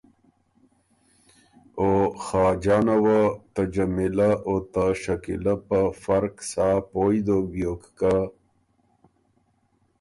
او خاجانه وه ته جمیلۀ اوته شکیلۀ په فرق سا پویٛ دوک بیوک